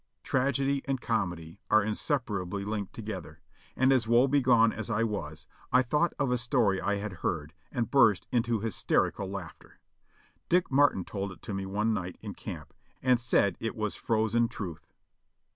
Tragedy and comedy are inseparably linked together, and as woe begone as I was, I thought of a story I had heard, and burst into hysterical laughter. Dick Martin told it to me one night in camp and said it w^as frozen truth.